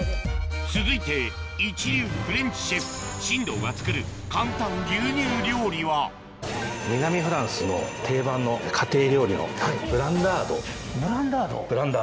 続いて一流フレンチシェフ進藤が作る簡単牛乳料理は南フランスの定番の家庭料理のブランダード。